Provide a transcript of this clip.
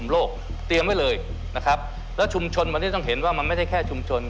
และชุมชนต้องเห็นว่ามันไม่แค่ชุมชน